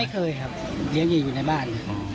ไม่เคยครับเลี้ยงอยู่ในบ้าน